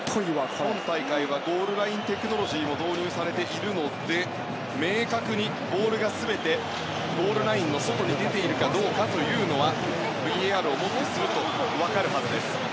今大会はゴールラインテクノロジーも導入されているので明確にボールが全てゴールラインの外に出ているかどうかというのはＶＡＲをもってすると分かるはずです。